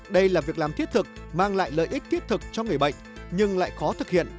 đây là việc làm thiết thực mang lại lợi ích thiết thực cho người bệnh nhưng lại khó thực hiện